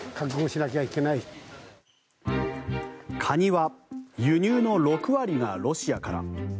カニは輸入の６割がロシアから。